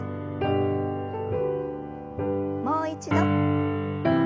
もう一度。